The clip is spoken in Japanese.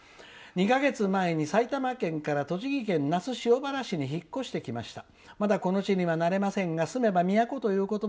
「２か月前に埼玉県から栃木県那須塩原市に引っ越してきました。